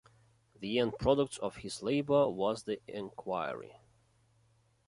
The end product of his labours was the "Enquiry".